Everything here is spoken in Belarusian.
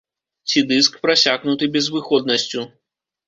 Ці дыск, прасякнуты безвыходнасцю.